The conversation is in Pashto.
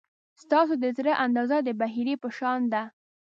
ستاسو د زړه اندازه د بحیرې په شان ده.